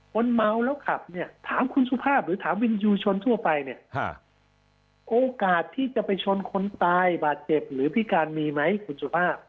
คนเมาแล้วขับเนี่ยถามคุณสุภาพหรือถามวินยูชนทั่วไปเนี่ยโอกาสที่จะไปชนคนตายบาดเจ็บหรือพิการมีไหมคุณสุภาพ